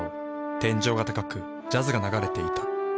天井が高くジャズが流れていた。